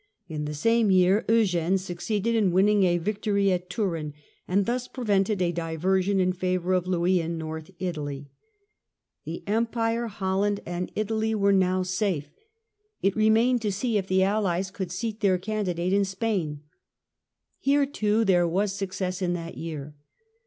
In the same year Eugene succeeded in winning a vic tory at Turin, and thus prevented a diversion in favour of Louis in North Italy. The Empire, Holland, and Italy 122 CAMPAIGNS OF I707 8. were now safe. It remained to see if the allies could seat their candidate in Spain. Here, too, there was success in that year.